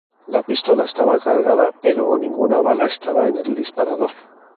La pistola estaba cargada, pero ninguna bala estaba en el disparador.